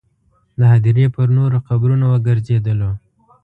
د هدیرې پر نورو قبرونو وګرځېدلو.